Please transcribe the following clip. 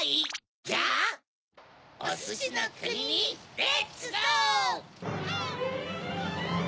じゃあおすしのくににレッツゴ！